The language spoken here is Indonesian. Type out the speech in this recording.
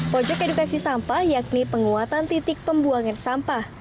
pojok edukasi sampah yakni penguatan titik pembuangan sampah